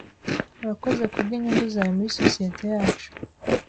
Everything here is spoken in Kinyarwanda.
Urakoze kubwinyungu zawe muri sosiyete yacu.